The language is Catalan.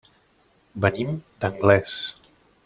Venim d'Anglès.